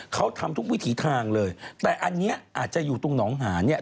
เขาทำทุกวิถีทางเลยแต่อันนี้อาจจะอยู่ตรงหนองหานเนี่ย